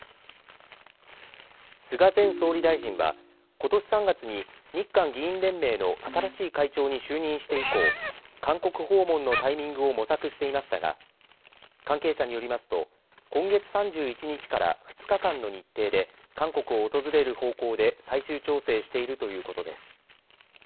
菅前総理大臣はことし３月に日韓議員連盟の新しい会長に就任して以降韓国訪問のタイミングを模索していましたが関係者によりますと今月３１日から２日間の日程で韓国を訪れる方向で最終調整しているということです。